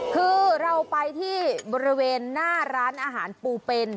คือเราไปที่บริเวณหน้าร้านอาหารปูเป็น